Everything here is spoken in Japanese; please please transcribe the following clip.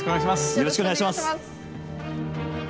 よろしくお願いします。